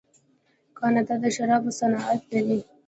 کاناډا د شرابو صنعت لري.